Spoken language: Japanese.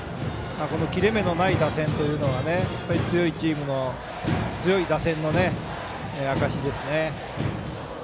この切れ目のない打線というのは強いチームの強い打線の証しですね。